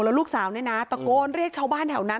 แล้วลูกสาวเนี่ยนะตะโกนเรียกชาวบ้านแถวนั้น